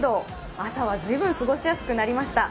朝は随分過ごしやすくなりました。